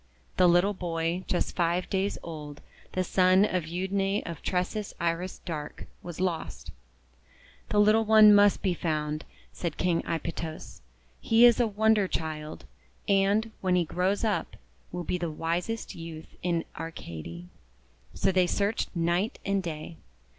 The little boy, just five days old, the son of Euadne of Tresses Iris Dark, was lost. "The little one must be found," said King Aipytos. "He is a wonder child, and, when he grows up, will be the wisest youth in Arcady." So they searched night and day.